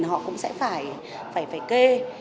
thì họ cũng sẽ phải kê